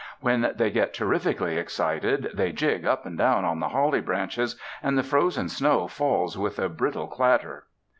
When they get terrifically excited, they jig up and down on the holly branches and the frozen snow falls with a brittle clatter.